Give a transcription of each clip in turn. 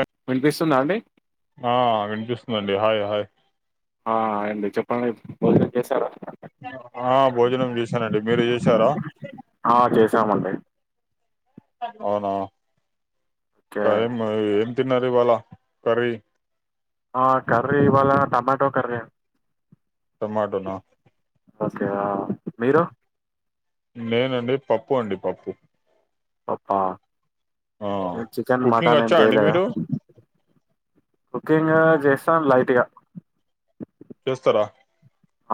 At వినిపిస్తుందా అండి ఆ వినిపిస్ ఊ అండీ హాయ్ హాయ్ ఆ హాయ్ అండి, చెప్పండి. భోజనం చేశారా? ఆ భోజనం చేశానండి. మీరు చేశారా? ఆ చేసామండి అవునా? ఓకే కాయం మరి, ఏమ్? తిన్నర్ ఇవాల కరీ ఆ కర్రీ ఇవాల టమాటో కర్రీ మటునా మీరు నేనండి పప్పు అండి పప్పు పప్పా ఆ ఉ చికెన్ కుకింగ్ మటన్ ఏం వచ్చా అండి చేయలేదా మీరు కుకింగ్ ఆ చేస్తాను లైట్ గా చేస్తారా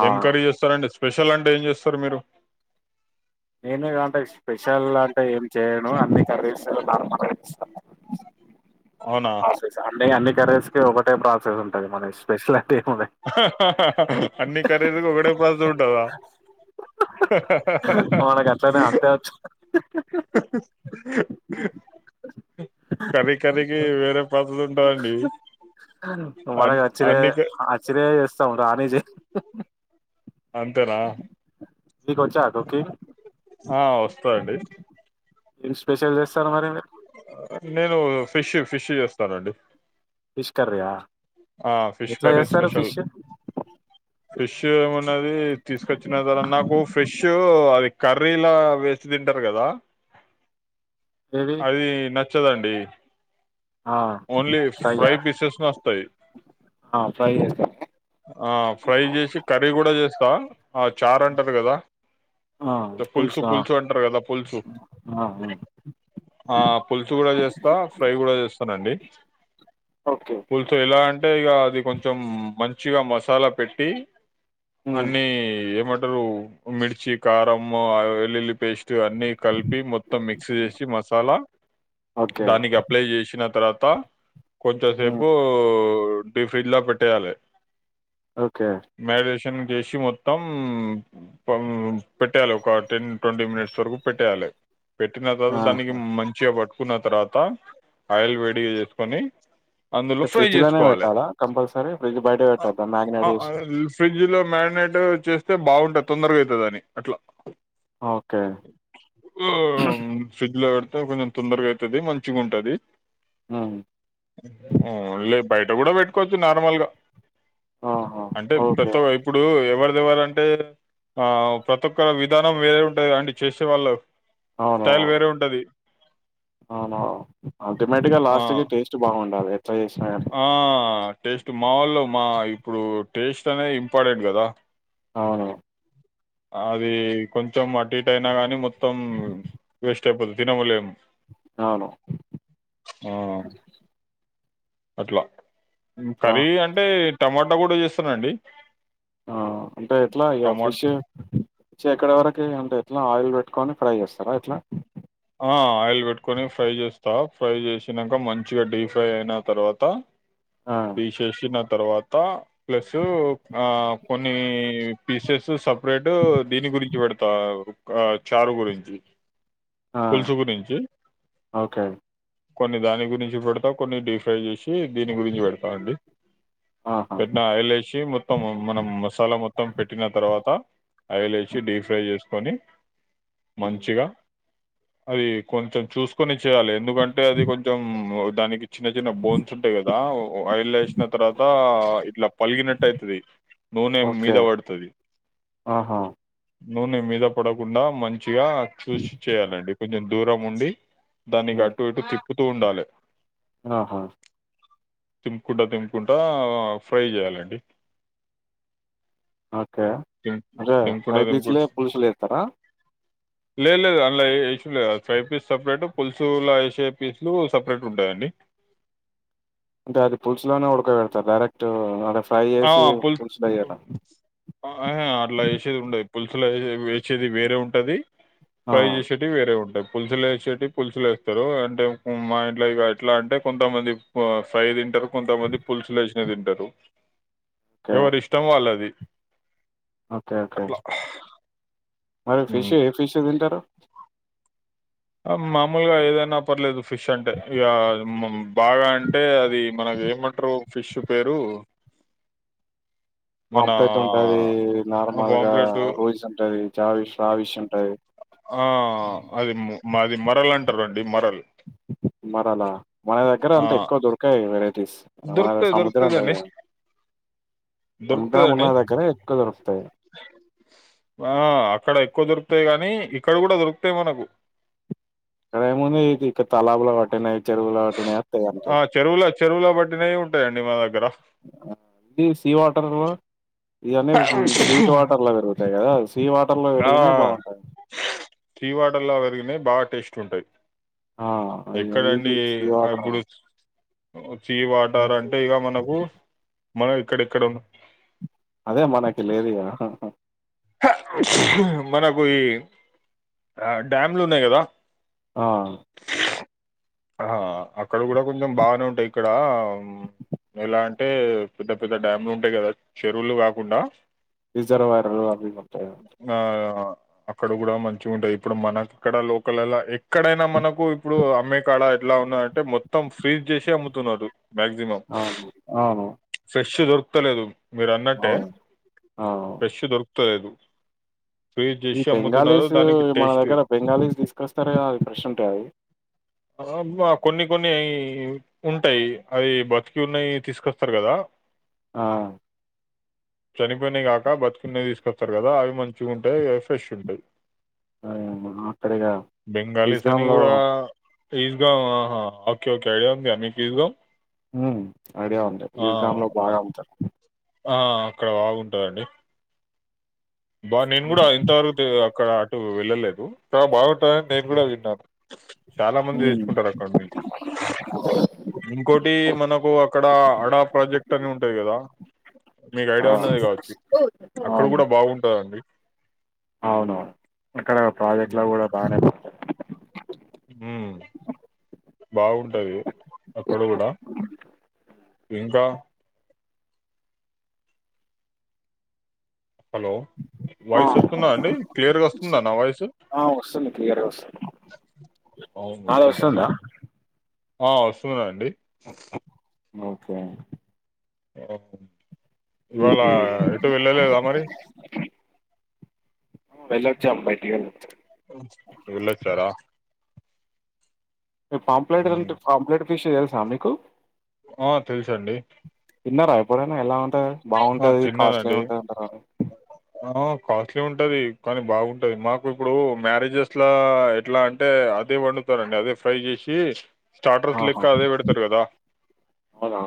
ఆ ఏం కరీ చేస్తారండి స్పెషల్ అంటే ఏం చేస్తారు మీరు నేను కాంటే స్పెషల్ అంటే ఏం చేయను అన్ని కర్రీస్ నార్మల్ కర్రీ ఇస్తాను అవునా అండి అని కరీస్ కి ఒకటే ప్రాసెస్ ఉంటది మన ఎ స్పెషల్ అంటే ఏముండదు అన్ని ఖరీదుకూ ఒకటే పాస్ ఉంటదా మనకు అట్లనే అంతే వచ్చు కర్రీ కర్రీకి వేరే పద్ధలు ఉంటాయండి అ అన్నిక చ్చినాయే చేస్తాం రానీయ్ చేయ్ అంతేనా నీకొచ్చా కుకింగ్ ఆ వస్తాండి ఏం స్పెషల్ చేస్తారు మరి మీరు నేను ఫిష్ ఫిష్ చేస్తానండి ఫిష్ కర్రీ ఆ ఆ ఫిష్ కర్రీ స్పెషల్ ఫిష్ ఏమున్నది తీసుకొచ్చిన తరా నాకు ఫిషూ అవి కర్రీలా వేసి తింటారు కదా ఏవి అది నక్ చ్చదండి ఆ ఓన్లీ ఫ్రై ఫ్రైయా పీసెస్ నస్తాయ్ ఆ ఫ్రై చేస్తారు ఆ ఫ్రై చేసి కర్రీ కూడా చేస్తా చారు అంటారు కదా ఆ పులుసు పులుసా పులుసు అంటారు కదా పులుసు ఆ ఆ, ఆ. ఆ పులుసు కూడా చేస్తా ఫ్రై కూడా చేస్తానండి ఓకే పులుసు ఎలా అంటే ఇగ అది కొంచెం మన్ చిగా మసాలా పెట్టి ఉమ్ అన్నీ ఏమంట్ టరు మిర్చి కారం ఆ వెల్లుల్లి పేస్ట్ ట్ అన్నీ కలిపి మొత్తం మిక్స్ చేసి మసాలా ఓకే దానికి అప్లై చేసిన తర్వా త కొంచెం ఉమ్ సేపూ ట్వంటీ ఫీడ్లో పెట్టేయాలే ఓకే తం చేసి మొత్తం పం పెట్టేయాలే ఒక టెన్ ట్వంటీ మినిట్స్ వరకు పెట్టేయాలే పెట్టిన ఆ తర్వాత దానికి మంచిగా పట్ కున్న తర్వాత ఆయిల్ వేడిగా చేసుకుని ఫ్రిడ్జ్ లోనే పెట్టాలా కంపల్సరీ ఫ్రిడ్జ్ బయట ఆ పెట్టద్దా మ్యాగినేట్ ఆ ఆ చేసి ఫ్రిడ్జ్ లో మ్యాండేటర్ చేస్తే బాగుంటద్ తొందరగైతదని అట్లా ఓకే అమ్ ఫ్రిజ్ లో పెడ్ తే కొంచెం తొందరగైతది మంచిగుంటది ఉమ్ ఓ లెప్ బయట కూడా పెట్కోవచ్చు నార్మల్ గా. ఆహా అంటే ఓకే [unintelligible] ఇప్పుడు ఎవరి వాలంటే ఆ ప్రతి ఒక్క విధానం వేరుంటది అండి చేసే వాళ్ళ స్టైల్ అవునవును వేరే ఉంటది అవును అల్టిమేట్గా ఆ లాస్ట్ కి టేస్ట్ బాగుండాలే ఆ టేస్ట్ మావొళ్ళ మా ఇప్పుడు టేస్ట్ అనేది ఇంపాడెంట్ గదా. అవును. అది కొంచెం అటు ఇటు అయినా గానీ మొత్తం వేస్ట్ ఐపొతది తినలేం. అవును ఆ. అట్లా. కర్రీ అంటే టమాట ట కూడా చేస్తనండి. ఆ అంటే ఎట్లా ఇగా ఫ్రెష్ చే ఎక్కడ వరకి అంటే ఆయిల్ పెట్టుకొని ఫ్రై చేస్తారా ఎట్లా. ఆ ఆయిల్ పెట్టుకొని ఫ్రై చేస్తా ఫ్రై చేసినంక మంచిగా డీ ఫ్రై అయిన తర్వాత. ఆ పిశేషి నత్ తర్వాత ప్లస్ ఆ కొన్నీ పీసెస్ సప్ ప్రేట్ దీని గురించి పెడుత ఆ ఒక చారు గురించి. ఆ పులుసు గురించి ఓకే. కొన్ని దాని గురించి పెడతా కొన్ని డీఫ్రై చేసి దీని గురించి పెడతాండి ఆహా పెట్టిన ఆయిల్ వేసి మొత్తం మనం మసాలా మొ మొత్తం పెట్టిన తర్వాత అయలేసి డీప్ ఫ్రై చేసుకొని మంచిగా అది కొంచెం చూసుకొని చేయాలే ఎందుకంటే అది కొంచెం దానికి చిన్న చిన్న బోన్స్ ఉంటాయి కదా ఆయిల్ల వేసిన తర్వాత ఇట్లా పలిగినట్టు అయితది నూనె ఓకే మీద పడుతది ఆహా నూనె మీద పడకుండా మం ఇగా చూశి కొంచెం దూరం ఉండి దానికి హ్మ్ అట్టు ఇటు తిప్పుతూ ఉండాలే ఆహా తింపుకుంటా తింపుకుంటా ఫ్రై చేయాలండి అ ఓకే తిం- అంటే తింపుకుంటా ఫైవ్ తింపుకుంట బీచ్లే పులుసులు వేస్తారా లేదు లేదు అందులా వే ఫైవ్ పీస్ సపరేట్ పులుసులా వేసే పీసులు సపరేట్ ఉంటాయండి అంటే అది పుల్స్ లోనే ఉడుకోబ పెడతారు డైరెక్ట్ ఫ్రై ఆ చేసి పుల్ పులుసులు ఎయ్యరా అట్లాసేది ఉండ పులుసులు వేసేది వేరే ఉంటది ఆ పై చేసటి వేరే ఉంటబ్ పులుసులు వేసేటి పులుసులు వేస్తారు అంటే మా ఇంట్లో ఇక ఎట్లా అంటే కొంతమంది ఫ్రై తింటారు కొంతమంది పులుసులు వేసిన తింటారు ఓకే ఎవరి ఇష్టం వాళ్ళది ఓకే ఓకే అట్లా మరి ఫిష్ ఉమ్. ఏ ఫిష్ తింటారు మామూలుగా ఏదైనా పర్లేదు ఫిష్ అంటే ఇ బాగా అంటే అది మనకు ఏమంటారు ఫిష్ పేరు మన పాంప్టట్ ఉంటది నార్మల్ గా పాంప్లెట్ రోజస్ ఉంటది చావివిశ్యంటయి ఆ అది మ- మాది మరలు అంటారండి మరలు మరి అలా మన దగ్గర ఆ అంతా ఎక్కువ దొరకాయి వేర దొరుకుతది దొకుతుదండి సముద్రం ఉన్న దొరుకుతుదండి దగ్గర ఎక్కువ దొరుకుతాయి ఆ అక్కడ ఎక్కువ దొరుకు తాయి గానీ ఇక్కడ కూడా దొరుకుతాయి మనకు ఇక్కడ ఏముంది ఇది ఇక్కడ తలాబలో వాట్టినాయి చెరువులో వాట్టినాయి వస్తా అంటంది ఉంటాయిండి మా దగ్గర ఇ సీ వాటర్ల్వా ఇదిన్న స్వీట్ వాటర్లా పెరుగుతాయి కదా సీ వాటర్ లో ఆ పెరిగినయి బాగుంటాయి సీవాట్ర్లా వకినే బాగా టేస్ట్ ఉంటాయి ఆ ఎక్కడండి ఇది సీ వాటర్ ఇప్పుడు సి వాటర్ అంటే ఇక మనకు మనం ఇక్కడ ఇక్కడ అదే మనకి లేదుయా మనకు ఆ డ్యామ్లు ఉన్నాయి కదా ఆ ఆహ అక్కడ కూడా కొంచెం బాగానే ఉంటాయి ఇక్కడ ఎలా అంటే పెద్ద పెద్ద డ్యామ్లు ఉంటాయి కదా చెరువులు కాకుండా రిజర్వాయర్ ఆ అక్కడ కూడా మంచి ఉంటాయి ఇప్పుడు మనకుక్కడ లోకల్లా ఎక్కడైనా మనకు ఇప్పుడు అమ్మె క్కడ ఎట్లా ఉన్నా అంటే మొత్తం ఫ్రీజ్ చేసి అమ్ముతున్నాడు మ్యాక్సిమమ్ అవును అవును ఫ్రెష్ ద పత్తలేదు మీరు అన్నట్టే అవును అవును ఫ్రెష్ దొరుకు తలేేదు ఈ బెంగాలీస్ మన టేస్ట్ దగ్గర బెంగాలీస్ తీసుకొస్తార అది ప్రెష్ ఉంటాయి అది ఆ కొన్ని కొన్ని ఉంటాయి అది బతికి ఉన్నాయి తీసుకొస్తారు కదా ఆ చనిపోయినావి కాక బతుకున్నవి తీసుకొస్తారు కదా అవి మంచిగా ఉంటాయి అవి ఫ్రెష్ ఉంటాయి అరే అక్కడిగా నిజగా లో ఈజగాహా ఓకే ఓకే ఐడియా ఉందియా మీకు ఈజగాం ఐడియా ఉంది ఈకాంలో బాగా ఉంటారు ఆ అక్కడ బాగుంటుందండి బా నేను కూడా ఇంతవరకు అక్కడ వెళ్ళలేదు ఇడ బాగుంటుందిని నేను కూడా తిన్నారు చాలా మంది ఉమ్ వసుకుంటారు అక్కడ నుంచి ఇంకోటి మనకు అక్కడ అడా ప్రాజెక్ట్ అని ఉంటాయి కదా మీకు ఆ ఐడియా ఉన్నది కావచ్చు అక్కడ అవును కూడా బాగుంటు అది అవునవును అక్కడ ప్రాజెక్ట్ లో కూడా బాగానే పడతారు హ బాగుంటాది అప్పుడు కూడా ఏంకా హలో ఆ వాయిస్ వస్తుందా అండి క్లియర్గా వస్తుందా నా వాయిస్ ఆ వస్తుంది క్లియర్గా వస్తుంది అవును వస్తుందా ఆ వస్తున్నా అండి ఓకే ఓక ఇది ఇవాళ ఎటు వెళ్ళలేదా మరి వెళ్లొచ్చాం బయటికి వెళ్ళొచ్చా వెళ్లొచ్చారా పాంప్లలేట్ అంట పాంప్లేట్ విష తెలుసా మీకు ఆ తెలుసండి తిన్నారా ఎప్పుడైనా ఎలా ఉంటారు ఆ బాగుంటది కాస్ట్లీ తిన్నానండి ఉంటదింటారు ఆ కాస్ట్లీ ఉంటది కానీ బాగుంటది మాకు ఇప్పుడు మ్యారేజెస్లా ఎట్లా అంటే అదే వండుతారండి అదే ఫ్రై చేసి స్టార్టర్స్ లెక్క ఆహా అదే పెడతారు కదా అవునా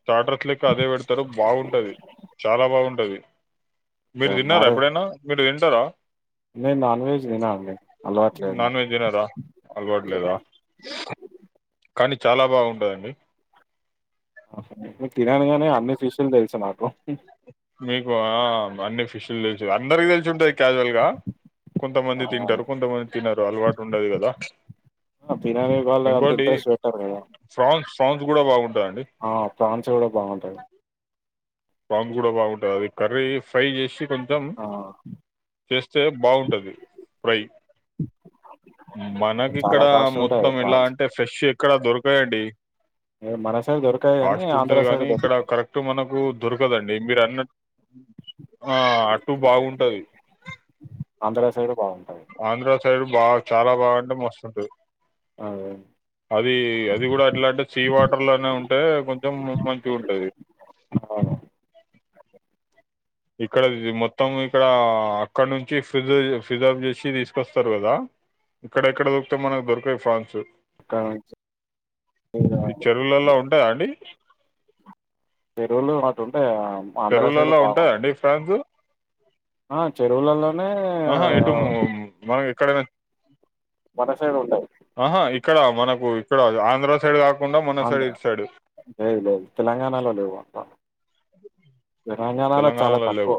స్టార్టస్ లెక్క అదే పెడతారు బావుంటది చాలా బా బావుంటది మీరు తిన్నారా మ్యారేజ్ ఎప్పుడైనా మీరు తింటరా నేను నాన్ వెజ్ తిన అండి అలవాటు లేదు నాన్ వెజ్ తినారా అలవాట్లేదా కానీ చాలా బావుంటది హ్మ్ ఆ తిననుగానీ అన్ని ఫిష్లు తెలుసు నాకు మీకు ఆ అన్ని ఫిషులు తెలుసు అందరికీ తెలిసి ఉంటాయి క్యాజువల్గా ఆ, కొంతమంది తింటారు కొంతమంది తినరు అలవాటు ఉండదు కదా తినని వాళ్ళు అంత ఇంకోటి ఇంట్రెస్ట్ పెట్టారు కదా ఫ్రాన్స్ ప్రాన్స్ కూడా బాగుంటాయి ఆ ప్రాన్స్ కూడా బాగుంటాయి ప్రాన్స్ కూడా బావుంటది అది కర్రీ ఫ్రై చేసి కొంచం ఆ చేస్తే బావుంటది ఫ్రై మనకి ఇక్కడ చాలా కాస్ట్ ఉంటాయి మొత్తం ఎలా ప్రాన్స్ అంటే ఫ్రెష్ ఎక్కడ దొరుక పేండి మన సైడ్ దొరకదు కాని ఉంటది ఆంధ్ర సైడ్ గానీ ఇక్కడ దొరుకుతాయి కరెక్ట్ మనకు దొరకదండి మీరు అన్నట్టు ఆ అటు బావుంటది ఆంధ్ర సైడ్ బాగుంటాయి ఆంధ్ర సైడ్ బా చాలా బా అంటే మస్తుంటుంది అదే అది అది కూడా అట్లాంటే సీ వాటర్ లోనే ఉంటే కొంచెం మంచిగ ఉంటది. అవును ఇక్కడ ఇది మొత్తం ఇక్కడ అక్కడ నుంచి ఫిజర్ ఫిజర్ఫ్ చేసి తీసుకొస్తారు కదా ఇక్కడ ఎక్కడ దొరకుతయి మనకు దొరకవు ప్రాన్స్ అక్కడ నుంచి ఇగ ఈ చెరువులలో ఉంటాయా అండి చెరువులు అటుంటయా చెరువులలో ఉంటాయా అండి ప్రాన్స్ ఆ చెరువులలో మ ఇక్కడ మన సైడ్ ఉంటాయి ఆహా ఇక్కడ మనకు ఇక్కడ ఆంధ్ర సైడ్ కాకు ఆంధ్ర లేదు లేదు తెలంగాణలో లేవు అంట తెలంగాణలో చాలా తక్కువ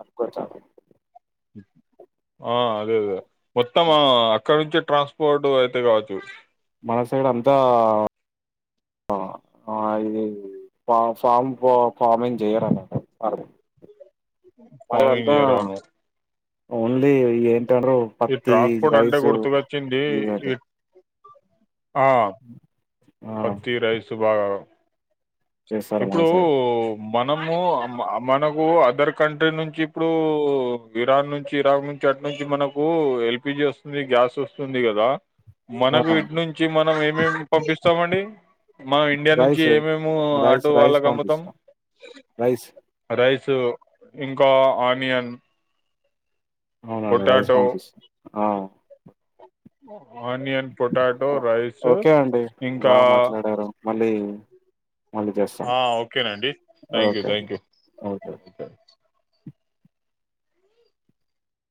తక్కువ చాలా ఆ అదే అదే మొత్తం అక్కడ నుంచి ట్రాన్స్పోర్ట్ అయితే కావచ్చు మన సైడ్ అంతా ఇది ఆ ఫామ్ ఫార్మింగ్ చేయరు అన్నమాట ఫార్మింగ్ చేయరు అవును ఓన్లీ ఏ ఈ పత్తి ట్రాన్స్పోర్ట్ అంటే రైసు గుర్తుకొచ్చింది ఇవండీ ఈ ఆ ఆ పత్తి రైసు బా అ చేస్తారు మన ఇప్పుడూ సైడ్ మనము మనకు అదర్ కంట్రీ నుంచి ఇప్పుడు ఇరాన్ నుంచి ఇరాక్ నుంచి అటు నుంచి మనకు ఎల్పిజి వస్తుంది గ్యాస్ వస్తుంది కదా ఆ మనకు ఇట్ నుంచి మనం ఏమేమి పంపిస్తామండి మనం ఇండియా నుంచి రైస్ ఏమేమో రైస్ రైస్ వాళ్ళకమ్ముతాం పంపిస్తాం రైస్ రైస్ సు ఇంకా ఆనియన్ అవునండి రైస్ పొటాటో పంపిస్తాం ఆ ఓ ఆనియన్ పొటాటో రైస్ ఇంకా మళ్లీ ఆ ఓకేనండి thank you okay thank you okay